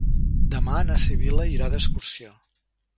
Demà na Sibil·la irà d'excursió.